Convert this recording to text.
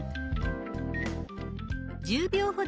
１０秒ほど待ち